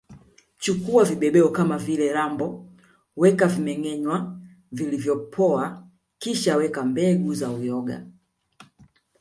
Chukua vibebeo kama vile rambo weka vimengenywa vilivyopoa kisha weka mbegu za uyoga